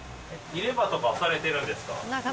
入れ歯とか、されてるんですか？